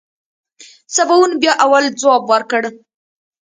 سباوون بيا اول ځواب ورکړ.